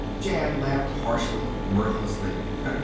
Jan laughed harshly, mirthlessly.